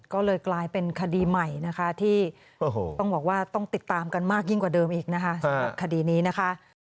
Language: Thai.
ก็เลยกลายเป็นคดีใหม่ที่ต้องติดตามกันมากยิ่งกว่าเดิมสำหรับคดีนี้นะคะ